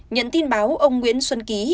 nhận tin báo ông nguyễn xuân ký